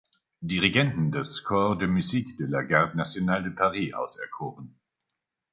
Dirigenten des "Corps de musique de la Garde nationale de Paris" auserkoren.